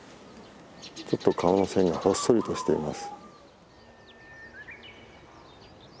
ちょっと顔の線がほっそりとしています。